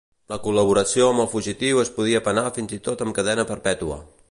La col·laboració amb el fugitiu es podia penar fins i tot amb cadena perpètua.